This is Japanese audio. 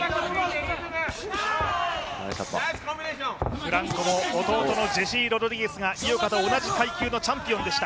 フランコも弟のジェシー・ロドリゲスが井岡と同じ階級のチャンピオンでした。